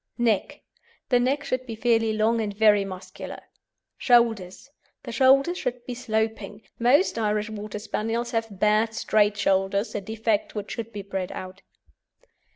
NECK The neck should be fairly long and very muscular. SHOULDERS The shoulders should be sloping. Most Irish Water Spaniels have bad, straight shoulders, a defect which should be bred out.